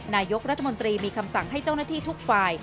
นายกรัฐมนตรีมีคำสั่งให้เจ้าหน้าที่ทุกฝ่าย